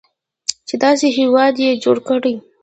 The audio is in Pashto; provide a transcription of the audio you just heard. چې داسې هیواد یې جوړ کړی.